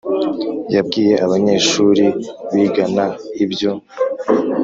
Yabwiye abanyeshuri bigana ibyo